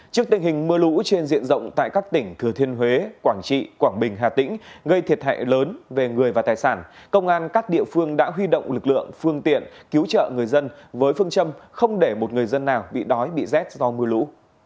trước tình hình mưa lũ trên diện rộng tại các tỉnh thừa thiên huế quảng trị quảng bình hà tĩnh gây thiệt hại lớn về người và tài sản công an các địa phương đã huy động lực lượng phương tiện cứu trợ người dân với phương châm không để một người dân nào bị đói bị rét do mưa lũ